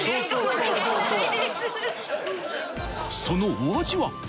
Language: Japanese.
そのお味は？